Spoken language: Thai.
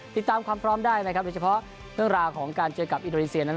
ติดตามความพร้อมได้นะครับโดยเฉพาะเรื่องราวของการเจอกับอินโดนีเซียนั้น